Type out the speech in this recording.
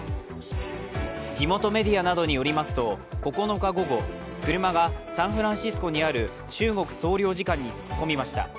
地元メディアなどによりますと、９日午後、車がサンフランシスコにある中国総領事館に突っ込みました。